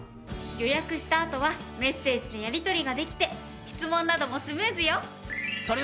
予約したあとはメッセージでやりとりができて質問などもスムーズよ。